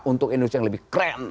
untuk indonesia yang lebih keren